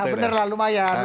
bener lah lumayan